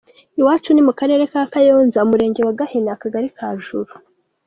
Iwacu ni mu karere ka Kayonza, Umurenge wa Gahini, akagari ka Juru.